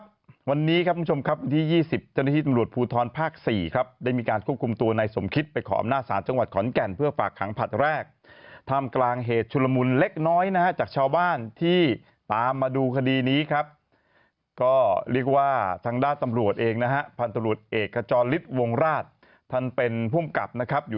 ครับวันนี้ครับคุณผู้ชมครับวันที่๒๐เจ้าหน้าที่ตำรวจภูทรภาคสี่ครับได้มีการควบคุมตัวในสมคิดไปขออำนาจศาลจังหวัดขอนแก่นเพื่อฝากขังผลัดแรกทำกลางเหตุชุลมุนเล็กน้อยนะฮะจากชาวบ้านที่ตามมาดูคดีนี้ครับก็เรียกว่าทางด้านตำรวจเองนะฮะพันตรวจเอกจรฤทธิวงราชท่านเป็นภูมิกับนะครับอยู่